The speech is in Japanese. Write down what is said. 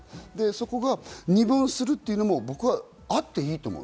それが二分するというのは僕はあっていいと思う。